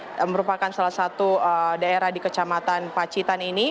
desa sirnat boyo merupakan salah satu daerah di kecamatan pacitan